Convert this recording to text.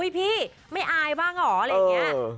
พี่ไม่อายบ้างเหรออะไรอย่างนี้